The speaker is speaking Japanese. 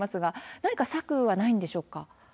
何か策はないんでしょうか。